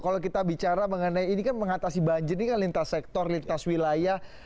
kalau kita bicara mengenai ini kan mengatasi banjir ini kan lintas sektor lintas wilayah